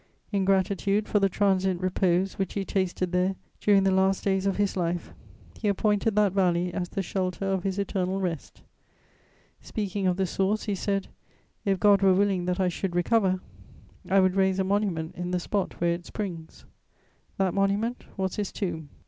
In gratitude for the transient repose which he tasted there during the last days of his life, he appointed that valley as the shelter of his eternal rest. Speaking of the source, he said: "If God were willing that I should recover, I would raise a monument in the spot where it springs." That monument was his tomb.